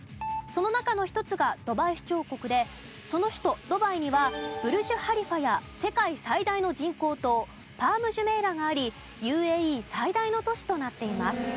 その中の１つがドバイ首長国でその首都ドバイにはブルジュ・ハリファや世界最大の人工島パーム・ジュメイラがありＵＡＥ最大の都市となっています。